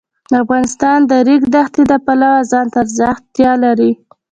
افغانستان د د ریګ دښتې د پلوه ځانته ځانګړتیا لري.